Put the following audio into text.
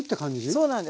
そうなんです。